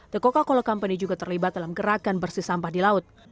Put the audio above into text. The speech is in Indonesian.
the coca cola company juga terlibat dalam gerakan bersih sampah di laut